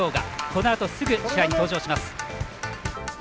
このあとすぐ試合に登場します。